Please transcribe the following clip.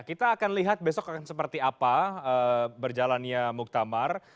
kita akan lihat besok akan seperti apa berjalannya muktamar